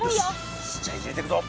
よしじゃあ入れてくぞ。